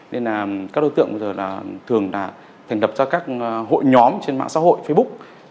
nên là các đối tượng bây giờ là thường là thành đập ra các hội nhóm trên mạng xã hội facebook